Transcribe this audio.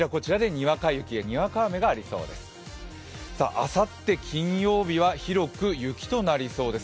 あさって、金曜日は広く雪となりそうです。